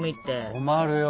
困るよ。